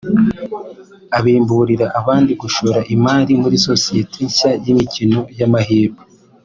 abimburira abandi gushora imari muri sosiyete nshya y’imikino y’amahirwe